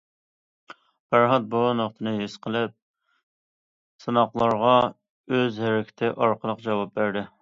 پەرھات بۇ نۇقتىنى ھېس قىلىپ، سىناقلارغا ئۆز ھەرىكىتى ئارقىلىق جاۋاب بەردى.